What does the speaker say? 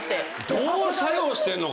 どう作用してんのかな？